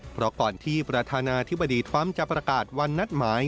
เพราะก่อนที่ประธานาธิบดีทรัมป์จะประกาศวันนัดหมาย